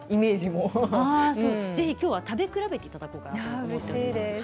ぜひきょうは食べ比べていただこうかなと思います。